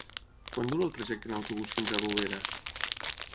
Quant dura el trajecte en autobús fins a Bovera?